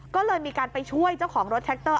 ก็เลยมีการไปช่วยเจ้าของรถแท็กเตอร์